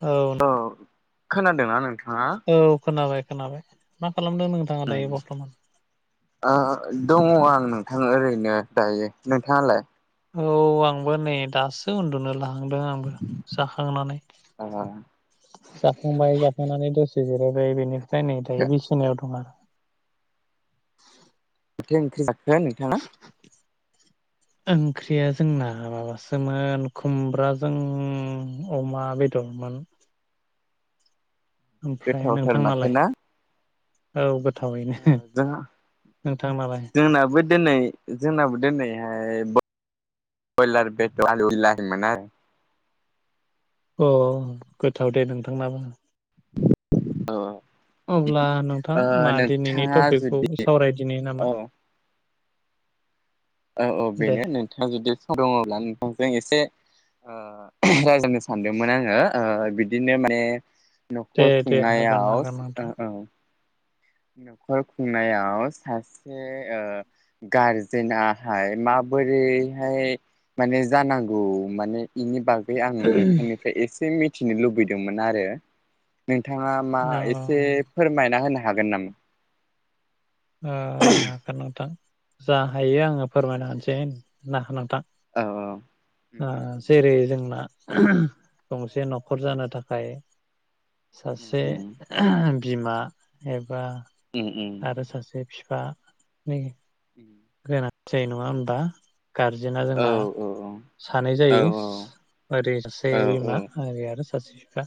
औ खोनादोंना नोंथ औ खोनाबाय खोनाबाय मा खालामदों नोंथाङा दायो बर्थमान? आ दङ आं नोंथां ओरैनो दायो नोंथाङालाय औ आंबो नै दासो उन्दुनो ला हांदों आंबो जाखांनानै ओ जाखांबाय जाखांनानै दसे जिरायबाय बेनि जाय नै दायो बिसिनायाव दं आ [unintelligible] ओंख्रि जाखो नोंथाङा ओंख्रिया जोंना माबासोमोन खुमब्राजों अमा बेदरमोन ओमफ्राय गोथावथार माथो नोंथांनालाय ना औ गो जोंहा नोंथांनालाय जोंनाबो दिनै जोंनाबो दिनैहाय [unintelligible] बेदर आलु बिलाहिमोना अ गोथाव दे नोंथांनाबो औ ओ अब्ला नोंथां मा दिनैनि नोंथाङा टपिकखौ जुदि सावरायदिनो नामा ओ ओ दे बेनो नोंथाङा जुदि [inaudible] जों एसे ओ रायज्लायनो सानदोंमोन आङो ओ बिदिनो माने दे नखर दे हागोन हागोन खुंनायावस ओ नोंथां ओ नखर खुंनायाव सासे ओ गारजेनाहाय माबोरैहाय माने जानांगौ माने बिनि बा गै आं नोंथांनिफ्राय एसे मि थिनो लुबैदोंमोन आरो नों थाङा औ मा एसे ओ फोरमायना होनो हागोन नामा हागोन नोंथां जा हायो आङो फोरमायना होनसै [unintelligible] औ आ उम जेरै जोंना गंसे नखर जानो थाखाय सासे बिमा ए बा उम आरो सा बिफा नै अम जायो नङा होमबा गारजेना औ जोंना सानै औ जायो ओरै सासे औ औ बिमा ओरै आरो सासे बिफा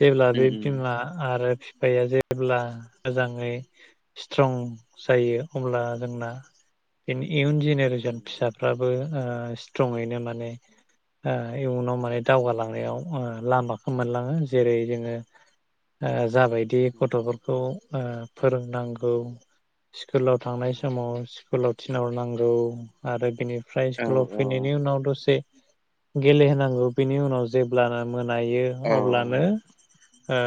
जेब्ला उम बे बिमा आरो बिफाया जेब्ला मोजाङै स्ट्रं जायो अब्ला जोंना इनि इयुन उम जेनेरेसन फिसाफ्राबो ओ स्ट्रङैनो माने ओ इयुनाव माने दावगालांनायाव लामाखौ मोनलाङो जेरै जोंङो ओ जाबायदि गथ'फोरखौ फोरोंनांगौ स्कुलाव थांनाय समाव स्कुलाव थिनहरनांगौ आरो बिनि फ्राय औ स्कुलाव औ फैनायनि उनाव दसे गेलेहोनांगौ बिनि उनाव जेब्लानो मोनायो औ अब्लानो ओ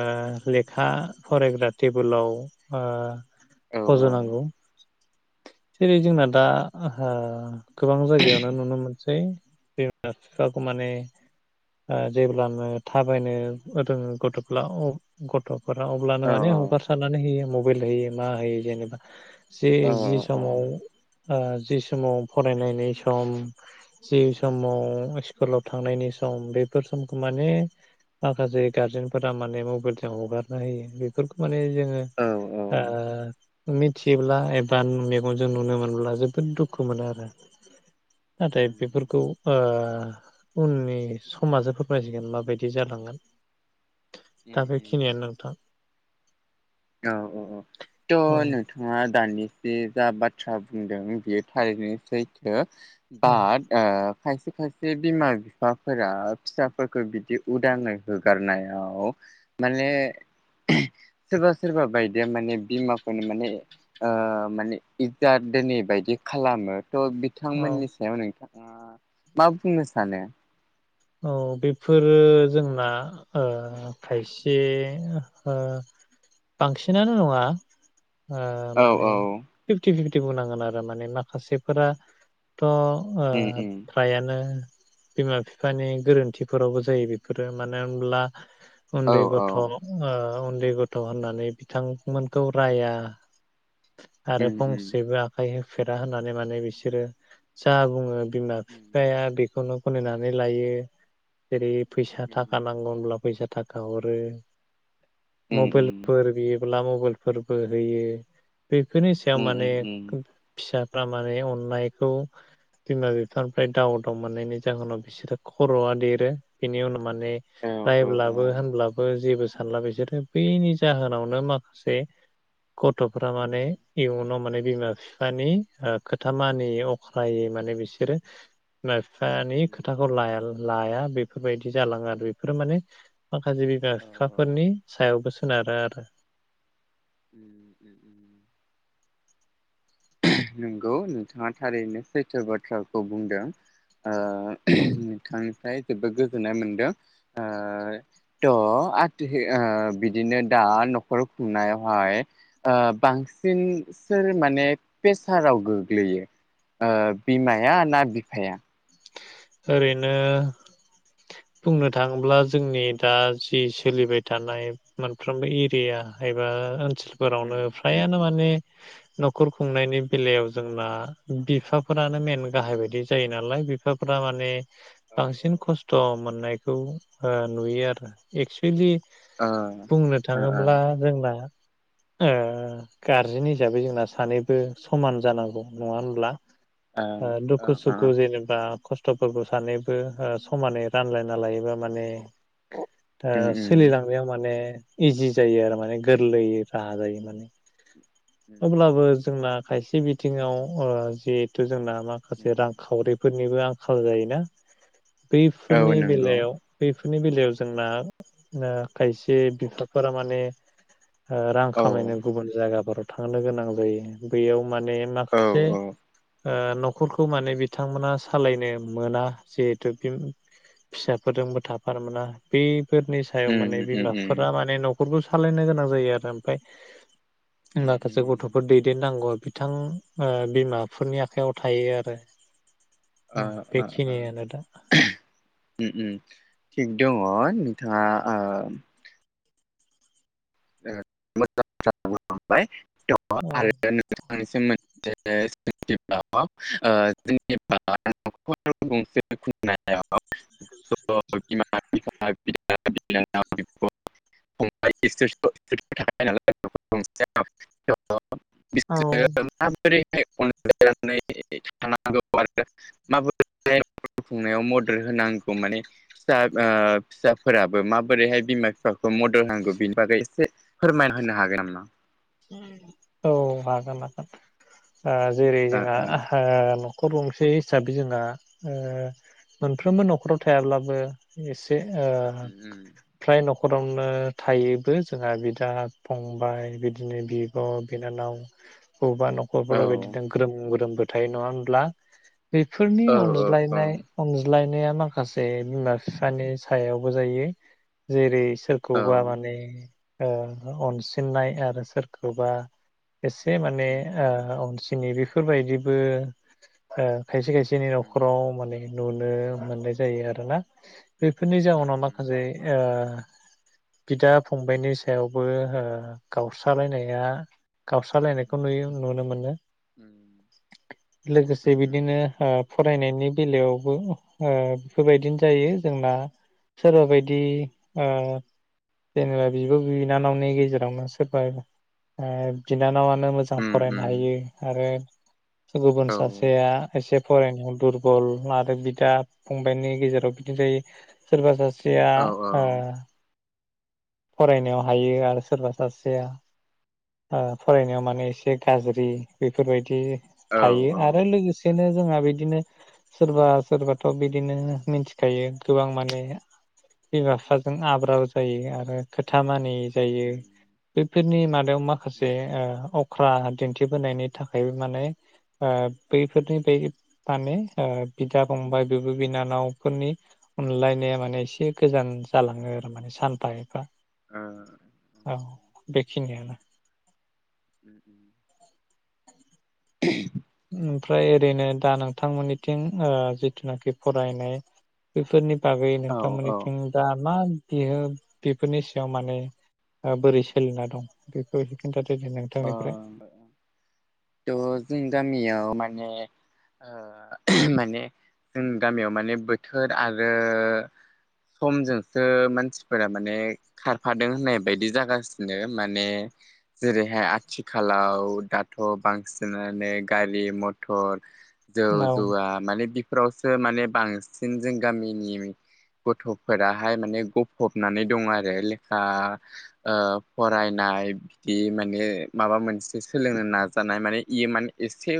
लेखा फरायग्रा टेबोलाव ओ औ फज' नांगौ। जेरै जोंना दा [unintelligible] गोबां जायगायावनो नुनो मोनसै बिमा बिफाखौ माने जेब्लानो थाबायनो रोंङो गथ'फोरा गथ' अब्लानो औ माने औ हगारसारनानै होयो। मबाइल होयो मा होयो जेनेबा औ जि-जि समाव औ जि समाव फरायनायनि सम जि समाव स्कुलाव थांनायनि सम बेफोर समखौ माने माखासे गारजेनफोरा माने मबाइलजों हगारना होयो बेफोरखौ माने। जोङो। औ उम मिथियोब्ला एबा। जों नुनो मोनब्ला जोबोद दुखु मोनो आरो। नाथाय बेफोरखौ आ उननि समासो फोरमायसिगोन माबायदि जालांगोन। उम दा से खिनियानो नोंथां। औ औ औ औ थ' नोंथाङा दानिसो जा बाथ्रा बुंदों बियो थारैनो सैथो। औ बाथ ओं। खायसे खायसे बिमा बिफाफोरा फिसाफोरखौ बिदि उदाङै होगारनायाव माने सोरबा सोर ओबा बायदिया माने बिमाखौनो माने माने इजोत दोनै बायदि खालामो। थ' औ बिथांमोननि सायाव नोंथां । ओ मा बुंनो सानो औ बेफोरो जोंना ओ खायसे ओ बांसिनानो नङा ओ औ माने औ फिफ्टि फि बुंनांगोन आरो माने माखासेफोरा थ' ओ उम उम फ्रायानो बिमा-फि बिफानि गोरोन्थिफोरावबो जायो बेफोरो मानो होमब्ला औ उन्दै गथ'ओ औ उन्दै गथ' होननानै बिथांमोनखौ राया उम आरो फंसेबो आखाइ हो फेरा होननानै माने बिसोरो जा बुङो बिमा बिफाया बेखौनो [unintelligible] मेलायो जेरै फैसा उम थाखा नांगौ होनब्ला फैसा थाखा हरो उम मबेलफोर बियो ब्ला मबेलफोरबो होयो बेफोरनि सायाव उम माने उम फिसा अननायखौ बिमा-बिफानिफ्राय दाव-दाव मोननायनि जाहोनाव बिसोर खर'आ देरो बिनि उनाव माने औ औ औ रायब्लाबो होनब्लाबो जेबो सानला बेसोरो बेनि जाहोनावनो माखासे गथफोरा माने इयुनाव माने बिमा फिफानि ओ खोथा मानियि अख्रायै माने बिसोरो [unintelligible] खोथाखौ लाया लाया बेफोरबायदि जालाङो आरो बेफोरो माने माखासे बिमा औ औ फिफाफोरनि सायावबो सो सोनारो आरो उम उम उम नंगौ नोंथाङा थारैनो सैथो बाथ्राखौ बुंदों ओ नोंथांनिफ्राय जोबोद गोजोननाय मोनदों ओ थ आथि ओ बिदिनो दा नखर खुंनायावहाय ओ बांसिन सोर माने प्रेसाराव गोग्लैयो ओ बिमाया ना बिफाया ओरैनो बुंनो थाङोब्ला जोंनि दा जि सोलिबाय थानाय मोनफ्रोमबो एरिया एबा ओन सोलफोरावनो उम उम फ्रायानो माने नखर खुंनायनि बेलायाव जोंना बिफा फोरानो मेन उम गाहाय बायदि जायो नालाय बिफा फ्रा माने औ बांसिन औ खस्थ मोननायखौ ओ नुयो आरो एक्सुेलि बुंनो थाङोब्ला जोंना ओ गारजेन हिसाबै जोंना सानैबो समान जानांगौ नङा होनब्ला ओ दुखु सुखु जेनेबा खस्थफोरखौ सानैबो ओ समानै रानलायना लायोबा माने ओ सोलिलांनायाव माने इजि जायो आरो माने गोरलैयै राहा जायो माने अब्लाबो जोंना खायसे बिथिङाव ओ जिहेथु जोंना माखासे रांखावरि फोरनिबो आंखाल जायोना औ बैफोरनि नंगौ बेलायाव बैफोर बेफोरनि बेलायाव जोंना ओ खायसे बिफाफोरा माने ओ रां औ खामायनो गुबुन जायगाफोराव थांनो गोनां जायो बैयाव माने औ माखासे ओ न'खरखौ माने बिथांमोना सालायनो मोना जिहेथु बे फिसाफोरजोंबो थाफानो मोना बे फोरनि सायाव उम माने उम बिमाफोरा उम माने न'खरखौ सालायनो गोनां जायो आरो ओमफ्राय उम माखासे उम गथ'फोर दैदेन नांगौ बिथां ओ बिमाफोरनि आखायाव थायो आरो। ओ औ ओ ओ बेखिनियानो दा उम उम । थिग दङ नोंथाङा ओ ओ [unintelligible] औ [unintelligible] दङ आरो [unintelligible] मोनसे जों न'खर गंसे खुंनायाव औ [unintelligible] [unintelligible] औ [unintelligible] माबोरै थाय अनज्लायनानै थानांगौ आरो माबोरैहाय न'खर खुंनायाव मदद होनांगौ माने फिसा ओ फिसाफोराबो माबोरैहाय बिमा फिफाखौ मदद होनांगौ बिनि बागै एसे फोरमायना होनो हागोन नामा? औ हागोन हागोन। ओ जेरै जोंहा ओहो न'खर गंसे हिसाबै जोंना ओ मोनफ्रोमबो न'खराव थायाब्लाबो एसे ओ फ्राय न' न'खरावनो थायोबो जोंहा बिदा फंबाय बि बिदिनो बिब' बिनानाव बबेबा न'खरफोराव ओ बिदिनो ग्रोम ग्रोमबो थायो नङा होनब्ला? बेफोरनि ओ अनज्लायनाय अनज्लाय नाया माखासे बिमा बिफानि सायावबो जायो जेरै सोरखौबा उम उम माने ओ अनसिननाय आरो सोरखौबा एसे माने ओ अनसिनि बे बेफोरबायदिबो ओ खायसे खायसेनि न'खराव माने नुनो मोननाय जायो आरो ना। बेफोरनि औ औ उम जाउनाव माखासे ओ बिदा फंबायनि सायावबो ओ गाव स्रालायनाया उम गावस्रालायनायखौ उम नुयो नुनो मोनो उम लोगोसे उम बिदिनो ओ फरायनायनि बेलायावबो ओ बेफोरबायदिनो जायो जोंना सोरबा बायदि ओ जेनेबा बिब' बिनानावनि गेजेरावनो सोरबाया ओ बिनानावान नो मोजां उम फरायनो उम हायो आरो गुबुन औ सासेया एसे फरायनायाव दुरबल आरो बिदा फंबाइनि गेजेराव बिदि जायो सोरबा सासे सेया औ ओ औ फरायनायाव हायो आरो सोरबा सासेया ओ फरायनायाव माने एसे गाज्रि बेफोरबायदि थायो औ औ आरो लोगोसे बेखायनो जोंहा बिदिनो सोरबा सोरबाथ' बिदिनो मिन्थिखायो गोबां माने बिमा फिफाजों आब्रा जायो आरो खोथा मानि जायो उम बेफ फोरनि मा दाव उम माखासे ओ अख्रा दिन्थिबोनायनि थाखायबो माने ओ बैफोरनि बै माने बिदा फंबाय बेबो बिनानावफोरनि अनलायनाया माने एसे गोजान जालाङो आरो माने सानफा एफा। औ। औ बेखिनियानो। [inaudible] [unintelligible] ओमफ्राय ओरैनो दा नोंथांमोननिथिं ओ जिथुनाखि फरायनाय बेफोरनि बागै औ औ नोंथांमोननिथिं दा मा बियो बेफोरनि सायाव माने ओ बोरै सोलिना दं बेखौ एसे खिन्थादो। दे अ नोंथांनिफ्राय थ' जोंनि गामियाव माने ओ माने जोंनि गामियाव माने बोथोर आरो समजोंसो मानसिफोरा माने खारफादों होननाय बायदि जागासिनो माने जेरै बेहाय आथिखालाव दाथ' बांसिनानो गारि मथर जौ औ जुवा माने फोरावसो माने बांसिन जों गामिनि गथ'फोराहाय माने गफबनानै दं आरो लेखा ओ फरायनाय बिदि मा मानो माबा मोनसे सोलोंनो नाजानाय माने इयो माने एसे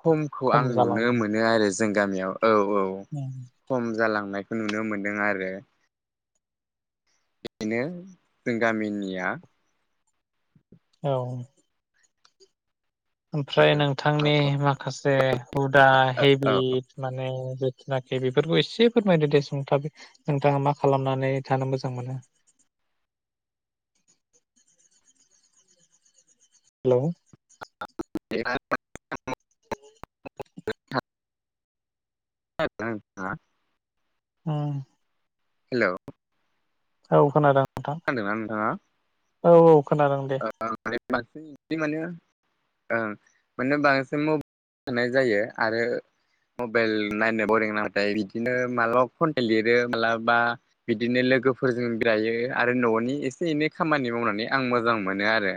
खमखौ खम आं नुनो जालांदों मोनो आरो जों गामियाव औ औ खम जालां नायखौ नुनो मोन्दों आरो। बेनो जों गामिनिया औ। ओमफ्राय नोंथांनि माखासे हुदा औ हेबिट माने थुनाखि बेफोरखौ एसे फोरमायदो दे सुंथाबै नोंथाङा मा खालामनानै थानो मोजां मोनो? हेलौ [inaudible] उम हेलौ औ खोनादों नोंथां खोनादोंना नोंथाङा? औ औ खोनादों दे। बांसिन बिदि माने ओं माने बांसिन [unintelligible] जायो आरो मबाइल नायनो बरिं नाबाथाय बिदिनो मालाबा खन्थाइ लिरो मालाबा बिदिनो लोगोफोरजों बेरायो आरो न'नि एसे एनै खामानि मावनानै आं मोजां मोनो आरो